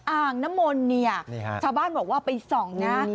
อ่างน้ำมนต์เนี่ยชาวบ้านบอกว่าไปส่องนะ